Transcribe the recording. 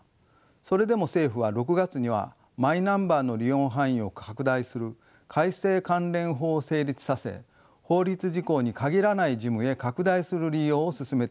それでも政府は６月にはマイナンバーの利用範囲を拡大する改正関連法を成立させ法律事項に限らない事務へ拡大する利用を進めています。